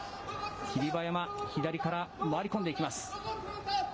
霧馬山、左から回り込んでいきます。